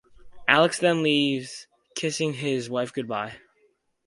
Alex then leaves, kissing his wife good-bye.